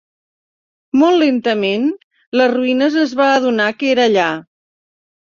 Molt lentament, les ruïnes es va adonar que era allà.